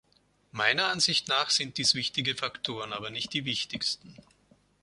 Meiner Ansicht nach sind dies wichtige Faktoren, aber nicht die wichtigsten.